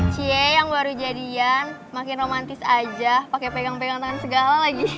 cie yang baru jadian makin romantis aja pakai pegang pegangan segala lagi